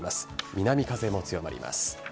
南風も強まります。